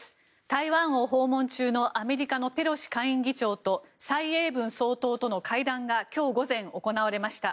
台湾を訪問中のアメリカのペロシ下院議長と蔡英文総統との会談が今日午前、行われました。